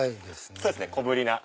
そうですね小ぶりな。